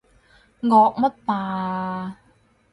惡乜霸啊？